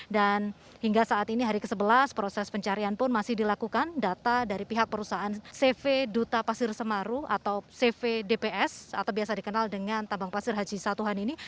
dan hingga saat ini hari ke sebelas proses pencarian pun masih dilakukan data dari pihak perusahaan cv duta pasir semaru atau cv dps atau biasa dikenal dengan tabang pasir haji satuhan ini